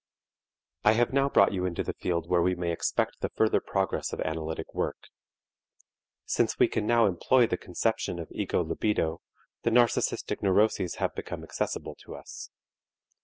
I have now brought you into the field where we may expect the further progress of analytic work. Since we can now employ the conception of ego libido, the narcistic neuroses have become accessible to us.